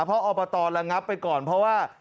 เพราะอบตระงับไปก่อนเพราะว่า